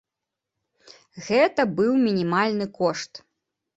Гэта быў мінімальны кошт.